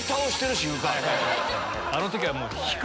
あの時はもう。